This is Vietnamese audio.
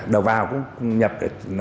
đầu vào cũng nhập